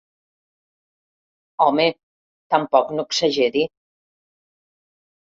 Home, tampoc no exageri.